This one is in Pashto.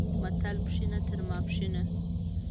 متل، پښینه تر ماپښینه